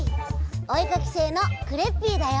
おえかきせいのクレッピーだよ！